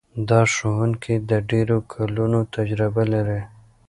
دا ښوونکی د ډېرو کلونو تجربه لري.